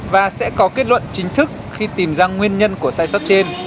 và sẽ có kết luận chính thức khi tìm ra nguyên nhân của sai sót trên